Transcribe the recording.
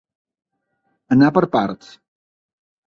Anar per parts.